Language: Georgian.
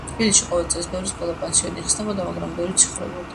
თბილისში ყოველ წელს ბევრი სკოლა-პანსიონი იხსნებოდა, მაგრამ ბევრიც იხურებოდა.